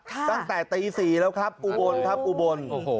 ตั้งแต่ตี๔แล้วครับอุบลครับอุบล